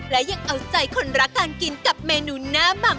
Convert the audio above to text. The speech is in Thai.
และยังเอาใจคนรักการกินกับเมนูหน้าหม่ำ